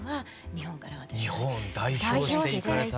日本を代表して行かれた。